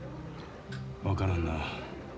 分からんな。